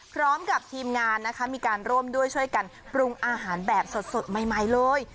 พร้อมกับทีมงานนะคะมีการร่วมด้วยช่วยกันปรุงอาหารแบบสดใหม่เลย